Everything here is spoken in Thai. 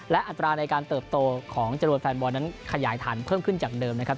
และอัตราในการเติบโตของจำนวนแฟนบอลนั้นขยายฐานเพิ่มขึ้นจากเดิมนะครับ